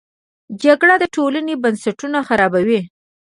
جګړه د ټولنې بنسټونه خرابوي